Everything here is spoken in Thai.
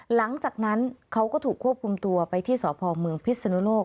หลังจากนั้นเขาก็ถูกควบคุมตัวไปที่สพเมืองพิศนุโลก